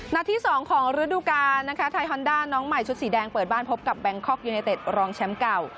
ที่๒ของฤดูกาลนะคะไทยฮอนด้าน้องใหม่ชุดสีแดงเปิดบ้านพบกับแบงคอกยูเนเต็ดรองแชมป์เก่า